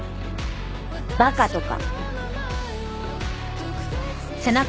バカとか。